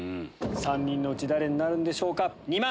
３人のうち誰になるんでしょうか。